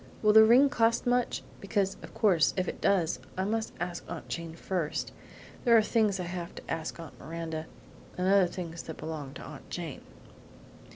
Will the ring cost much? Because, of course, if it does, I must ask Aunt Jane first. There are things I have to ask Aunt Miranda, and others that belong to Aunt Jane."